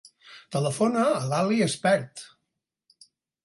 Telefona a l'Ali Espert.